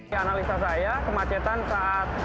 ke analisa saya kemacetan saat